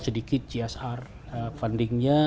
sedikit csr fundingnya